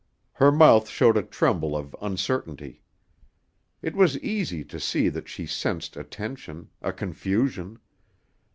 Her mouth showed a tremble of uncertainty. It was easy to see that she sensed a tension, a confusion.